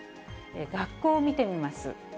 学校見てみます。